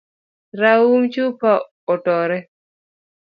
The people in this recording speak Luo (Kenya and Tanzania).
Raum chupa otore.